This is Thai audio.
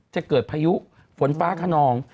จะเกิดพายุฝนฟ้าขนอง